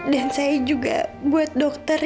dan saya juga buat dokter